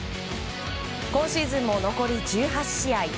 今シーズンも残り１８試合。